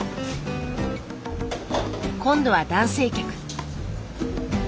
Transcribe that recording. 今度は男性客。